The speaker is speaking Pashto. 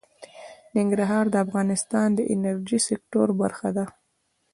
ننګرهار د افغانستان د انرژۍ سکتور برخه ده.